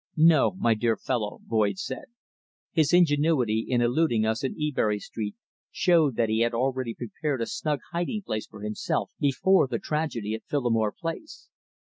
"No, my dear fellow," Boyd said. "His ingenuity in eluding us in Ebury Street showed that he had already prepared a snug hiding place for himself before that tragedy at Phillimore Place.